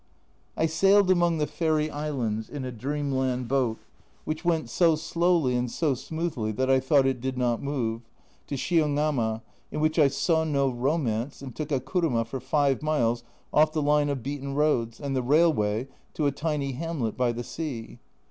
I sailed among the fairy islands in a dreamland boat which went so slowly and so smoothly that I thought it did not move to Shiogama, in which I saw no romance, and took a kuruma for 5 miles off the line of beaten roads, and the railway to a tiny hamlet by the sea.